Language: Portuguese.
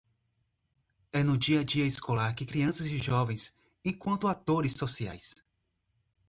É no dia-a-dia escolar que crianças e jovens, enquanto atores sociais